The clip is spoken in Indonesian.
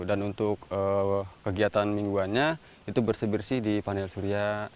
dan untuk kegiatan mingguannya itu bersebersih di panel surya